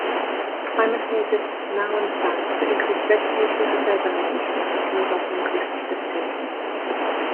Climatologists now understand that increased vegetation and urbanization can result in increased precipitation.